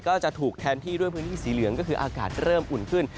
ก็จะถูกแทนที่ด้วยพื้นที่สีเหลืองก็คืออากาศเริ่มอุ่นขึ้น